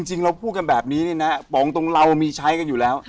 จริงเราพูดกันแบบนี้เนี่ยนะบอกตรงเรามีใช้กันอยู่แล้ว